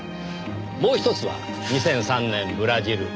もうひとつは２００３年ブラジル。